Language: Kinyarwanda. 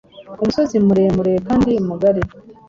Umusozi muremurekandi mugari